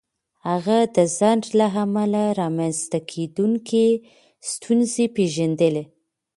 هغه د ځنډ له امله رامنځته کېدونکې ستونزې پېژندلې.